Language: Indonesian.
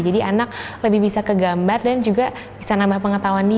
jadi anak lebih bisa kegambar dan juga bisa nambah pengetahuan dia